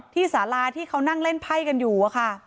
ที่สาราที่เขานั่งเล่นไพ่กันอยู่